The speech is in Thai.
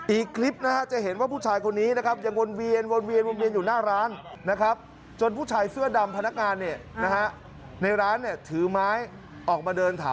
อีกคลิปนะฮะจะเห็นว่าผู้ชายคนนี้นะครับ